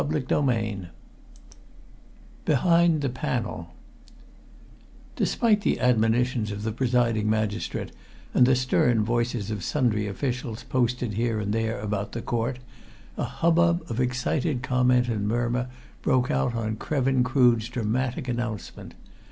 CHAPTER XXIV BEHIND THE PANEL Despite the admonitions of the presiding magistrate, and the stern voices of sundry officials, posted here and there about the court, a hubbub of excited comment and murmur broke out on Krevin Crood's dramatic announcement.